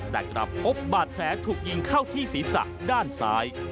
แต่กลับพบบาดแผลถูกยิงเข้าที่ศีรษะด้านซ้าย